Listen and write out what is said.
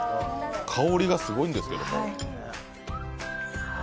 香りがすごいんですけど。